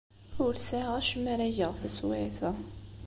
Ur sɛiɣ acemma ara geɣ taswiɛt-a.